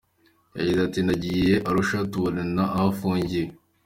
Yagize ati “Nagiye Arusha turabonana aho afungiwe.